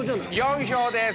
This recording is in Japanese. ４票です。